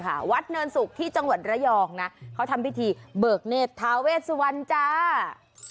ค่ะวัดเนินศุกร์ที่จังหวัดระยองเขาทำพิธีเบิกเนศทาเวศวรรณโจร